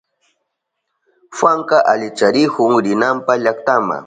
Juanka alicharihun rinanpa llaktama.